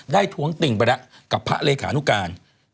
ท้วงติ่งไปแล้วกับพระเลขานุการ